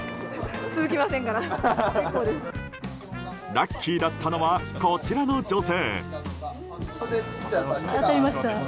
ラッキーだったのはこちらの女性。